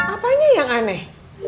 apanya yang aneh